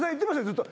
ずっと。